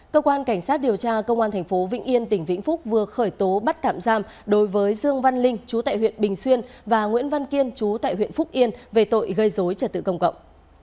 cơ quan cảnh sát điều tra công an tp vĩnh yên tỉnh vĩnh phúc vừa khởi tố bắt tạm giam đối với dương văn linh chú tại huyện bình xuyên và nguyễn văn kiên chú tại huyện phúc yên về tội gây dối trật tự công cộng